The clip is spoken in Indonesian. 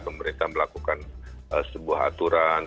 pemerintah melakukan sebuah aturan